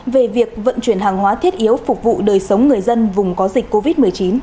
về việc vận chuyển hàng hóa thiết yếu phục vụ đời sống người dân vùng có dịch covid một mươi chín